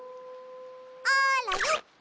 あらよっと！